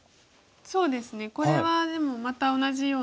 そうですねこれはでもまた同じように。